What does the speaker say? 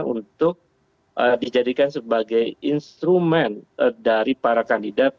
untuk dijadikan sebagai instrumen dari para kandidat